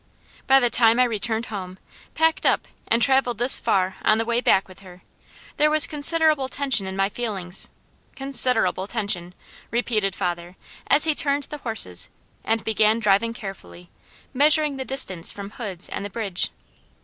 By the time I returned home, packed up, and travelled this far on the way back with her, there was considerable tension in my feelings considerable tension," repeated father as he turned the horses and began driving carefully, measuring the distance from Hoods' and the bridge.